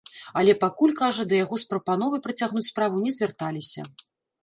Але пакуль, кажа, да яго з прапановай працягнуць справу не звярталіся.